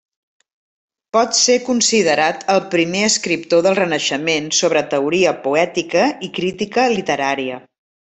Pot ser considerat el primer escriptor del Renaixement sobre teoria poètica i crítica literària.